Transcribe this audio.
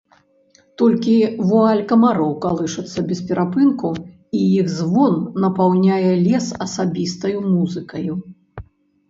Толькі вуаль камароў калышацца без перапынку, і іх звон напаўняе лес асабістаю музыкаю.